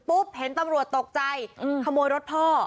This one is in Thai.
เห็นตำรวจตกใจขโมยรถพ่อ